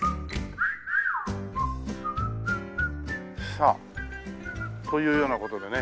さあというような事でね